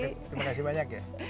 terima kasih banyak ya